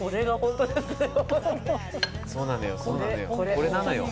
そうなのよ